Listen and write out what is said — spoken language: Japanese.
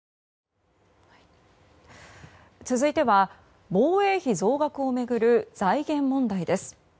続いては防衛費増額を巡る財源問題です。